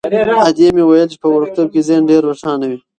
ادې مې ویل چې په وړکتوب کې ذهن ډېر روښانه وي.